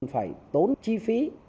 phải tốn chi phí